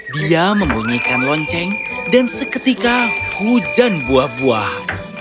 dia membunyikan lonceng dan seketika hujan buah buah